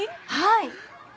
はい。